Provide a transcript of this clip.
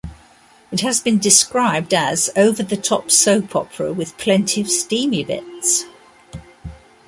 It has been described as "over-the-top soap opera with plenty of steamy bits".